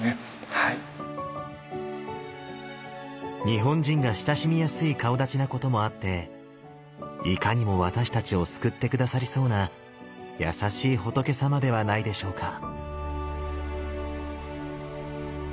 日本人が親しみやすい顔だちなこともあっていかにも私たちを救って下さりそうな優しい仏様ではないでしょうか。